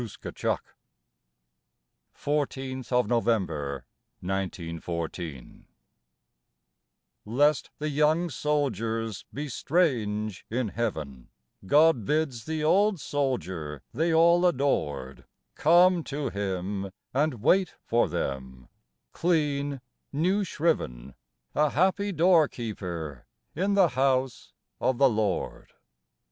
60 FLOWER OF YOUTH THE OLD SOLDIER November 1914) LEST the young soldiers be strange in Heaven, God bids the old soldier they all adored Come to Him and wait for them, clean, new shriven, A happy door keeper in the House of the Lord.